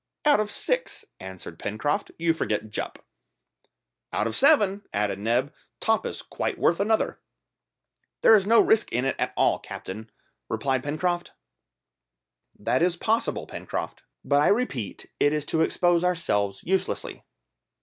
"Out of six," answered Pencroft; "you forget Jup." "Out of seven," added Neb; "Top is quite worth another." "There is no risk at all in it, captain," replied Pencroft. "That is possible, Pencroft; but I repeat it is to expose ourselves uselessly."